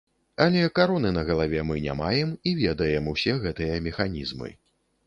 Але кароны на галаве мы не маем і ведаем усе гэтыя механізмы.